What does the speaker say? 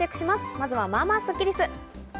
まずは、まあまあスッキりす。